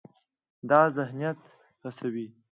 دا ذهنیت هڅوي،